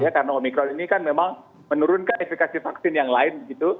karena omicron ini kan memang menurunkan infeksi vaksin yang lain gitu